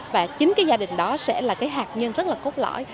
và chính gia đình đó sẽ là hạt nhân rất là cốt lõi